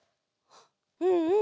うんうん。